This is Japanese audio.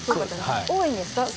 多いんですか？